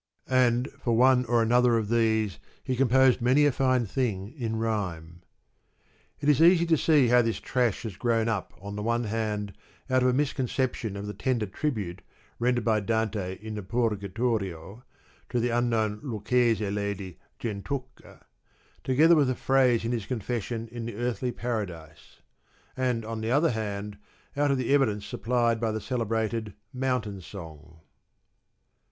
And for one or another of these, he composed many a fine thing in rhyme." It is easy to see how this trash has grown up on the one hand out of a mis conception of the tender tribute rendered by Dante in the PurgatoriOj to the unknown Lucchese lady, Gentucca ; together with a phrase in his confession in the Earthly Paradise ; and on the other hand out of the evidence supplied by the celebrated * Mountain Song.'